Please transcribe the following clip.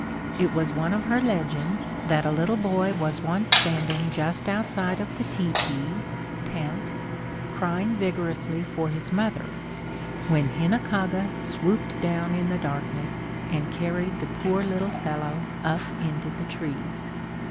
It was one of her legends that a little boy was once standing just outside of the teepee (tent), crying vigorously for his mother, when Hinakaga swooped down in the darkness and carried the poor little fellow up into the trees.